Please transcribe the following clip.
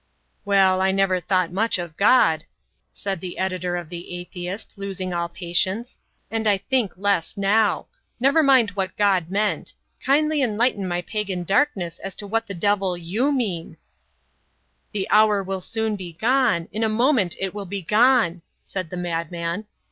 "Well, I never thought much of God," said the editor of The Atheist, losing all patience. "And I think less now. Never mind what God meant. Kindly enlighten my pagan darkness as to what the devil you mean." "The hour will soon be gone. In a moment it will be gone," said the madman.